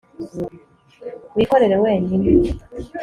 wikorere wenyine